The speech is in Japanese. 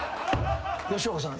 吉岡さん。